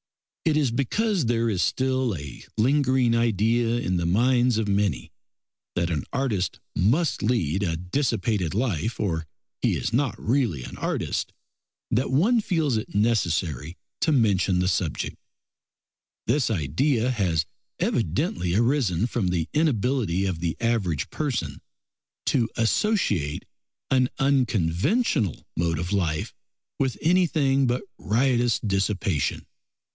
It is because there is still a lingering idea in the minds of many that an artist must lead a dissipated life or he is not really an artist, that one feels it necessary to mention the subject. This idea has evidently arisen from the inability of the average person to associate an unconventional mode of life with anything but riotous dissipation.